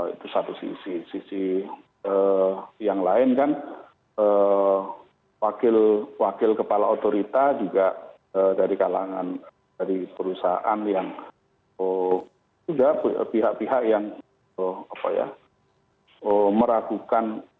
itu satu sisi sisi yang lain kan wakil kepala otorita juga dari kalangan dari perusahaan yang sudah pihak pihak yang meragukan